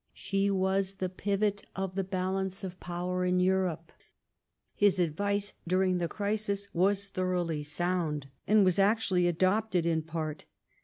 She was the pivot of the balance of power in Europe." His advice during the crisis was thoroughly sound, and was actually adopted in part.